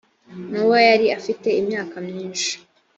nowa yari afite imyaka myinshi